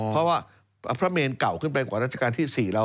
เพราะว่าพระเมนเก่าขึ้นไปกว่าราชการที่๔เรา